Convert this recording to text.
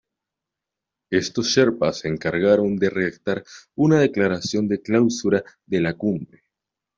Estos sherpas se encargaron de redactar una declaración de clausura de la cumbre.